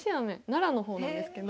奈良の方なんですけど。